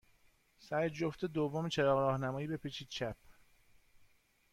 سر جفت دوم چراغ راهنمایی، بپیچید چپ.